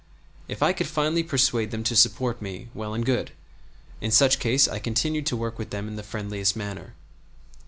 If I could finally persuade them to support me, well and good; in such case I continued to work with them in the friendliest manner.